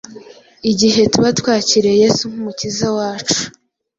igihe tuba twakiriye Yesu nk’umukiza wacu.